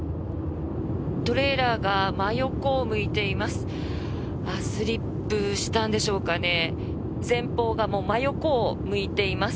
トレーラーが真横を向いています。